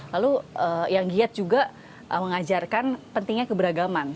lalu yang giat juga mengajarkan pentingnya keberagaman